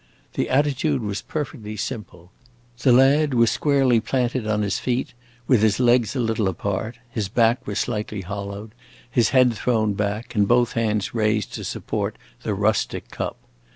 The attitude was perfectly simple. The lad was squarely planted on his feet, with his legs a little apart; his back was slightly hollowed, his head thrown back, and both hands raised to support the rustic cup.